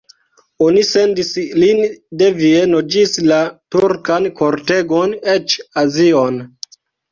Oni sendis lin de Vieno ĝis la turkan kortegon, eĉ Azion.